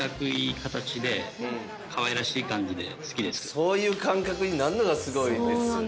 そういう感覚になるのがすごいですね。